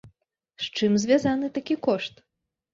З чым звязаны такі кошт?